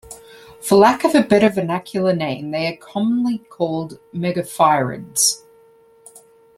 For lack of a better vernacular name, they are commonly called megophryids.